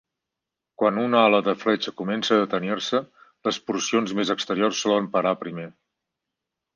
Quan una ala de fletxa comença a detenir-se, les porcions més exteriors solen parar primer.